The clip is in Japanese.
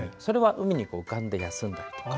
海に浮かんで休んだりとか。